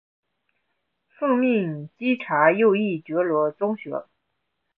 奉命稽查右翼觉罗宗学。